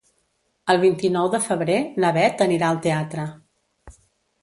El vint-i-nou de febrer na Beth anirà al teatre.